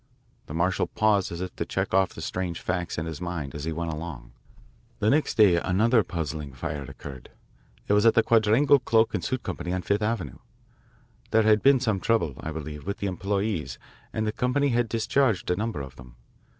The marshal paused as if to check off the strange facts in his mind as he went along. "The next day another puzzling fire occurred. It was at the Quadrangle Cloak and Suit Co., on Fifth Avenue. There had been some trouble, I believe, with the employees, and the company had discharged a number of them.